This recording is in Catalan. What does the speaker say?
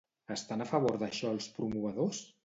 Estan a favor d'això els promovedors?